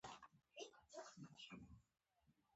درشتو په شکل نشونما کوي.